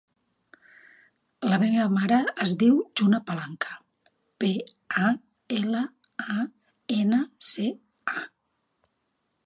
La meva mare es diu Juna Palanca: pe, a, ela, a, ena, ce, a.